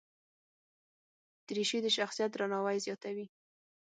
دریشي د شخصیت درناوی زیاتوي.